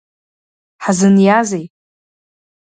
Ҳзыниазеи?